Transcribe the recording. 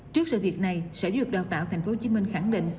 trước sự việc này sở giáo dục đào tạo tp hcm khẳng định